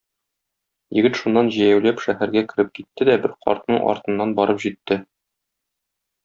Егет шуннан җәяүләп шәһәргә кереп китте дә бер картның артыннан барып җитте.